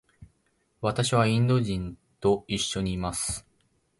私はインド人と一緒にいます。